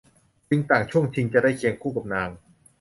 จึงต่างช่วงชิงจะได้เคียงคู่กับนาง